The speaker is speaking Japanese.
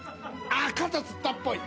ああ肩つったっぽい。